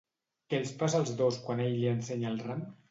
Què els passa als dos quan ell li ensenya el ram?